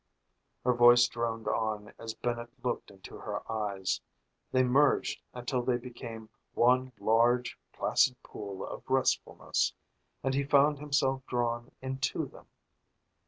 Her voice droned on as Bennett looked into her eyes. They merged until they became one large, placid pool of restfulness, and he found himself drawn into them.